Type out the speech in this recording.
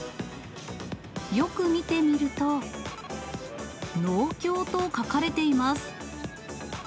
よく見てみると、農協と書かれています。